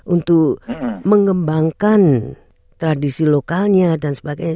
untuk mengembangkan tradisi lokalnya dan sebagainya